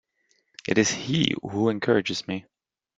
It is he who encourages me.